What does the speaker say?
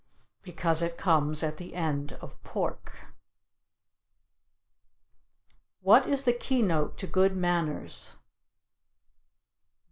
Because it comes at the end of pork. What is the keynote to good manners?